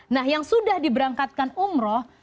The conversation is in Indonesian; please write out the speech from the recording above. nah yang sudah diberangkatkan umroh